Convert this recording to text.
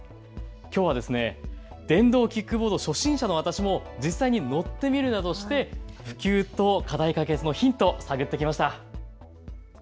きょうは電動キックボード初心者の私も実際に乗ってみるなどして普及と課題解決のヒントを探ってきました。